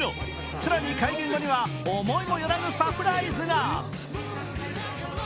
更に会見後には思いもよらぬサプライズが。